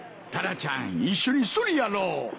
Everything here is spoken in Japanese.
タラちゃん一緒にソリやろう！